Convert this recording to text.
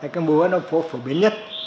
cái múa nó phổ biến nhất